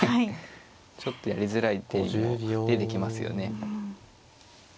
ちょっとやりづらい手も出てきますよね。